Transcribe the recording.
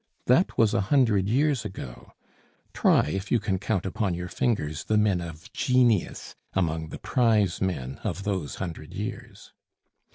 That was a hundred years ago. Try if you can count upon your fingers the men of genius among the prizemen of those hundred years.